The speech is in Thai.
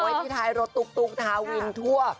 แม่ไว้ที่ไทยรถตุ๊กทาวิงทั่ว